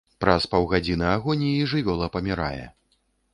Праз паўгадзіны агоніі жывёла памірае.